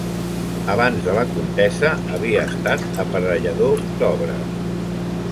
Abans de la contesa havia estat aparellador d'obres.